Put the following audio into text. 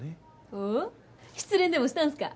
おっ失恋でもしたんすか？